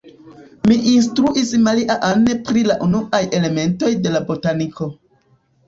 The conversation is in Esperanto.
Mi instruis Maria-Ann pri la unuaj elementoj de la botaniko.